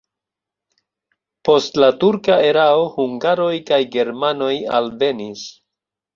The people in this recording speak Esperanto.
Post la turka erao hungaroj kaj germanoj alvenis.